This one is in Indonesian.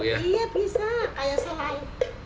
iya bisa kayak selai